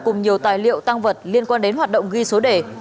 cùng nhiều tài liệu tăng vật liên quan đến hoạt động ghi số đề